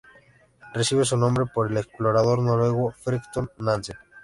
Recibe su nombre por el explorador noruego Fridtjof Nansen.